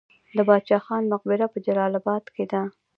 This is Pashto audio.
د باچا خان مقبره په جلال اباد کې ده